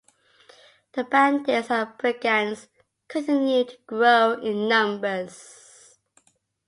The bandits and brigands continued to grow in numbers.